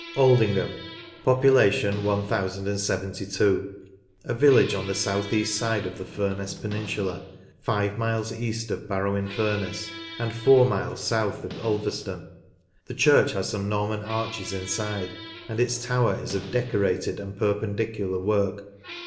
Aldingham (1072). A village on the south east side ot the Furness peninsula, five miles east of Barrow in Furness, and four miles south of Ulverston. The church has some Norman arches inside, and its tower is of Decorated and Perpen dicular work.